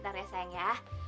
ntar ya sayang ya